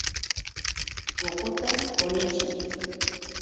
Muhuta qunichiy.